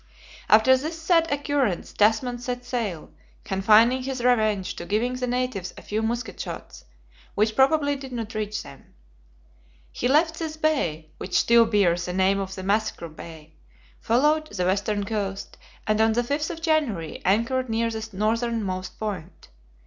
After this sad occurrence Tasman set sail, confining his revenge to giving the natives a few musket shots, which probably did not reach them. He left this bay which still bears the name of Massacre Bay followed the western coast, and on the 5th of January, anchored near the northern most point.